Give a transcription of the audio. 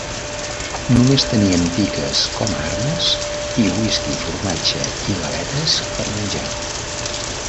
Només tenien piques com a armes i whisky, formatge i galetes per menjar.